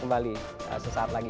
kembali sesaat lagi